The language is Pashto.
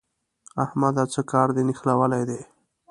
احمده! څه کار دې نښلولی دی؟